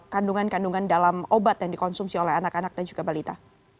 kandungan kandungan dalam obat yang dikonsumsi oleh anak anak dan juga balita